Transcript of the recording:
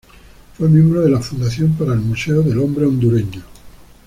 Fue miembro de la Fundación para el Museo del Hombre Hondureño.